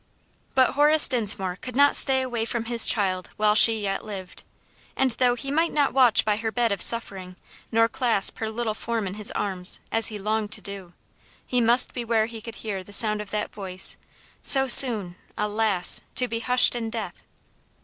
But Horace Dinsmore could not stay away from his child while she yet lived; and though he might not watch by her bed of suffering, nor clasp her little form in his arms, as he longed to do, he must be where he could hear the sound of that voice, so soon, alas! to be hushed in death.